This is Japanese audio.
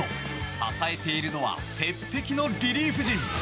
支えているのは鉄壁のリリーフ陣。